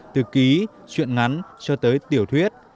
từ ký chuyện ngắn cho tới tiểu thuyết